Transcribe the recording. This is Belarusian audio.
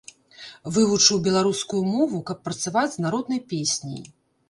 Вывучыў беларускую мову, каб працаваць з народнай песняй.